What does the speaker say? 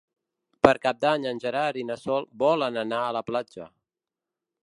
Per Cap d'Any en Gerard i na Sol volen anar a la platja.